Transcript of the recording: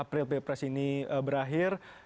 april pilpres ini berakhir